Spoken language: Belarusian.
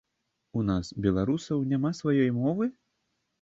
У нас, беларусаў, няма сваёй мовы?